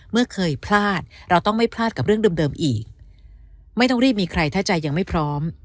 เมื่อเคยพลาดเราต้องไม่พลาดกับเรื่องเดิมอีกไม่ต้องรีบมีใครถ้าใจยังไม่พร้อม